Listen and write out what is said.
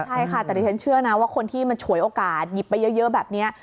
ใช่ค่ะแต่ดิฉันเชื่อนะว่าคนที่มันฉวยโอกาสหยิบไปเยอะแบบนี้